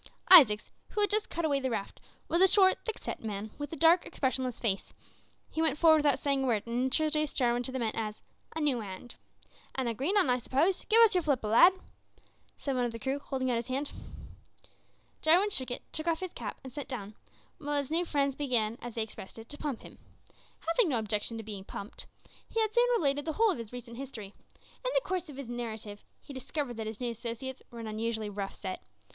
Isaacs, who had just cut away the raft, was a short, thick set man, with a dark, expressionless face. He went forward without saying a word, and introduced Jarwin to the men as a "new 'and." "And a green un, I s'pose; give us your flipper, lad," said one of the crew, holding out his hand. Jarwin shook it, took off his cap and sat down, while his new friends began, as they expressed it, to pump him. Having no objection to be pumped, he had soon related the whole of his recent history. In the course of the narrative he discovered that his new associates were an unusually rough set.